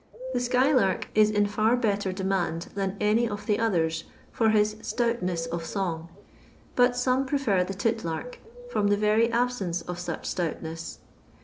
The sky lark is in far better demand than any of the others for his " stoutness of song," but some prefer the tit h&rk, from the very absence of such stoutness.